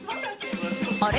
あれ？